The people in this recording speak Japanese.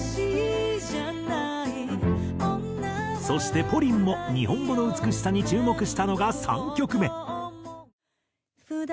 そしてＰＯＲＩＮも日本語の美しさに注目したのが３曲目。